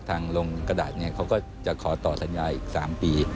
ทางลงกระดาษเขาก็จะขอต่อสัญญาอีก๓ปี